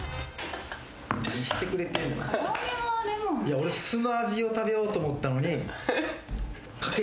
俺素の味を食べようと思ったのに。